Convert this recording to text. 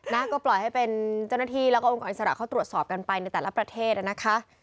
นะก็ปล่อยให้เป็นเจ้าหน้าที่แล้วก็องค์กรอิสระเขาตรวจสอบกันไปในแต่ละประเทศนะคะ